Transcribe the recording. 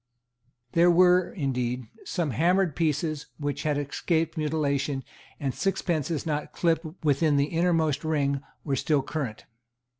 There were, indeed, some hammered pieces which had escaped mutilation; and sixpences not clipped within the innermost ring were still current.